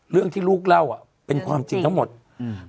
เรื่องที่ลูกเล่าอ่ะเป็นความจริงทั้งหมดอืม